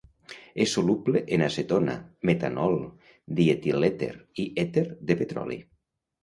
És soluble en acetona, metanol, dietilèter i èter de petroli.